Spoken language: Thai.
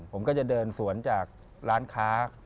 ผมก็จะเดินสวนจากร้านค้า